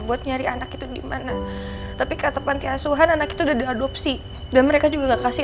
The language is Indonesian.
buat nyari anak itu dimana tapi kata pantiasuhan anak itu adalah adopsi dan mereka juga kasih